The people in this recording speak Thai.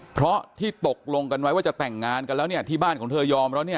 เพราะที่ตกลงกันไว้ว่าจะแต่งงานกันแล้วเนี่ยที่บ้านของเธอยอมแล้วเนี่ย